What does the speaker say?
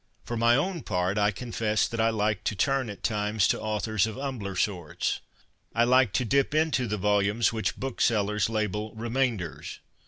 For my own part, I confess that I like to turn at times to authors of ' humbler sorts.' I like to dip into the volumes which booksellers label ' Remainders.'